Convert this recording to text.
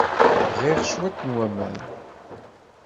Bɣiɣ cwiṭ n waman.